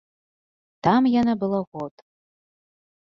Там яна была год.